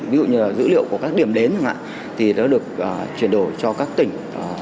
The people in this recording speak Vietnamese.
ví dụ như là dữ liệu của các điểm đến thì nó được chuyển đổi cho các tỉnh